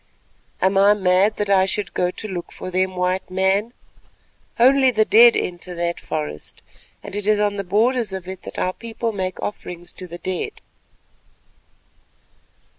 "Am I mad that I should go to look for them, White Man? Only the dead enter that forest, and it is on the borders of it that our people make offerings to the dead."